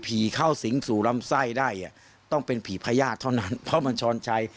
ฟังหมอปลาหน่อยครับ